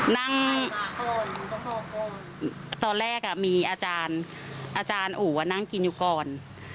นั่งตอนแรกมีอาจารย์อู่นั่งกินอยู่ก่อน